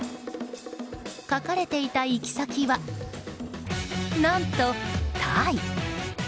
書かれていた行き先は何とタイ。